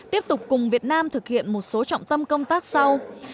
tiếp tục cùng việt nam thực hiện một số trọng tâm công tác sau